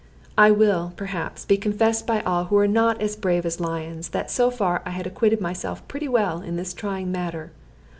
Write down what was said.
It will, perhaps, be confessed by all who are not as brave as lions that so far I had acquitted myself pretty well in this trying matter.